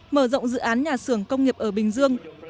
mở rộng dự án nhà xưởng công nghiệp ở bình dương